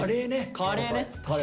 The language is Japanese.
カレーね！